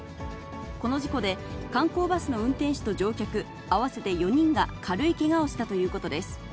この事故で、観光バスの運転手と乗客合わせて４人が軽いけがをしたということです。